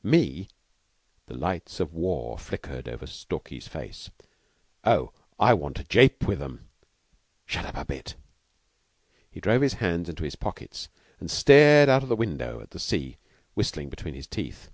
"Me?" The lights of war flickered over Stalky's face. "Oh, I want to jape with 'em. Shut up a bit!" He drove his hands into his pockets and stared out of window at the sea, whistling between his teeth.